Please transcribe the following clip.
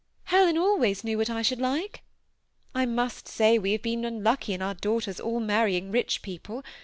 Helen always knew what I should like. I must say we have been unlucky in our daughters all marrying rich people.